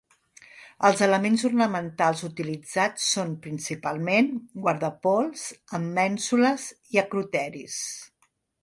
Els elements ornamentals utilitzats són principalment: guardapols amb mènsules i acroteris.